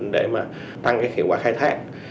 để mà tăng cái hiệu quả khai thác